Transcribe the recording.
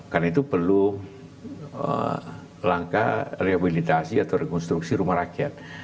karena itu perlu langkah rehabilitasi atau rekonstruksi rumah rakyat